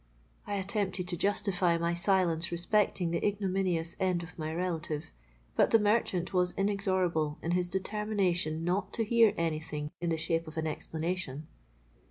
'—I attempted to justify my silence respecting the ignominious end of my relative; but the merchant was inexorable in his determination not to hear any thing in the shape of an explanation.